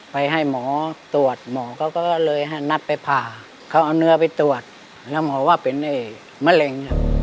ไปให้หมอตรวจหมอเขาก็เลยนัดไปผ่าเขาเอาเนื้อไปตรวจแล้วหมอว่าเป็นมะเร็งครับ